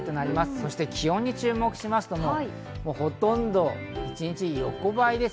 そして気温に注目すると、ほとんど一日横ばいです。